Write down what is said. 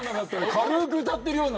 軽く歌ってるような。